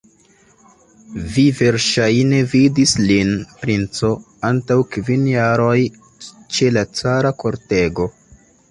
Vi verŝajne vidis lin, princo, antaŭ kvin jaroj, ĉe la cara kortego.